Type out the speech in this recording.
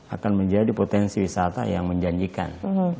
akan menjadi potensi wisata yang menjanjikan